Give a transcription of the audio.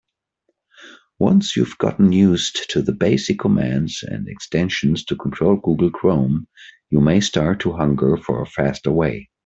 Once you've gotten used to the basic commands and extensions to control Google Chrome, you may start to hunger for a faster way.